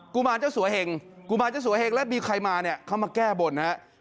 กุมารเจ้าสัวเฮงแล้วมีใครมาเนี่ยเขามาแก้บนนะครับ